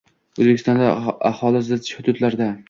O‘zbekistonda aholi zich hududlarda